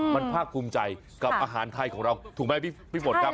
มันภาคภูมิใจกับอาหารไทยของเราถูกไหมพี่ฝนครับ